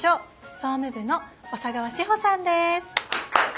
総務部の小佐川志穂さんです。